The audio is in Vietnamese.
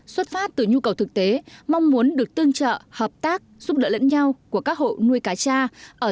xuất phát từ nhu cầu thực tế mong muốn được tương trợ hợp tác giúp đỡ lẫn nhau của các hộ nuôi cá cha